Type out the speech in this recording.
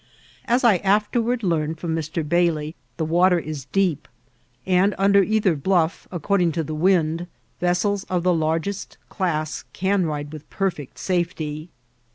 As I afterward learned b^caMx. Bafley, the water is deep, and under either biuff^ ao ending to the wind, vessds of the largest clas9 can iside with perfect safety.